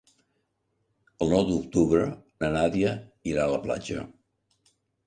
El nou d'octubre na Nàdia irà a la platja.